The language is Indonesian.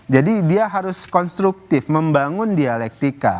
jadi dia harus konstruktif membangun dialektika